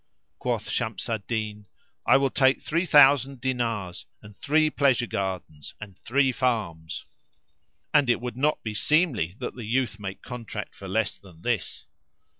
Quoth Shams al Din, "I will take three thousand dinars and three pleasure gardens and three farms; and it would not be seemly that the youth make contract for less than this."